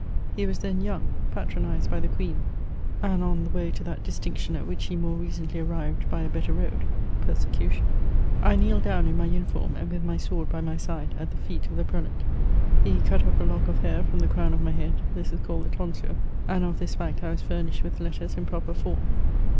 He was then young, patronised by the queen, and on the way to that distinction at which he more recently arrived by a better road — persecution. I kneeled down, in my uniform and with my sword by my side, at the feet of the prelate. He cut off a lock of hair from the crown of my head ; this is called the toirsure, and of this fact I was fur nished with letters in proper form.